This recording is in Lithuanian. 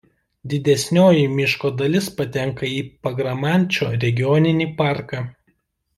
Didesnioji miško dalis patenka į Pagramančio regioninį parką.